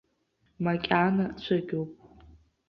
Макьана цәыкьоуп.